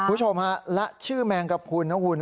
คุณผู้ชมครับและชื่อแมงกรับคุณนะครับคุณ